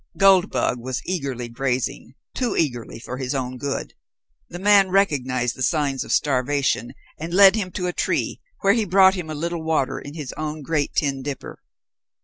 Goldbug was eagerly grazing too eagerly for his own good. The man recognized the signs of starvation and led him to a tree, where he brought him a little water in his own great tin dipper.